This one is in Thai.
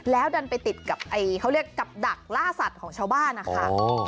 แล้วดันไปติดกับเขาเรียกกับดักล่าสัตว์ของชาวบ้านนะคะ